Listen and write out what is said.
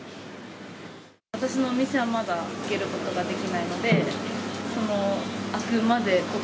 私のお店はまだ開けることができないので、開くまで